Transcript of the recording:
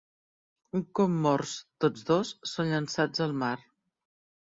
Un cop morts tots dos, són llançats al mar.